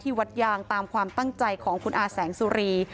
วัดยางตามความตั้งใจของคุณอาแสงสุรี